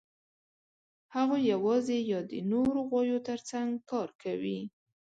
هغوی یواځې یا د نورو غویو تر څنګ کار کوي.